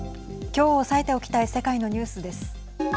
きょう押さえておきたい世界のニュースです。